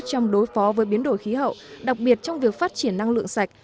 trong đối phó với biến đổi khí hậu đặc biệt trong việc phát triển năng lượng sạch